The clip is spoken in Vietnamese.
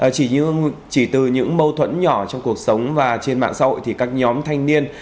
chỉ từ những mâu thuẫn nhỏ trong cuộc sống và trên mạng xã hội thì các nhóm thanh niên